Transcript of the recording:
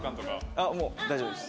あっもう大丈夫です。